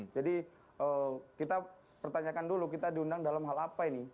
jadi kita pertanyakan dulu kita diundang dalam hal apa ini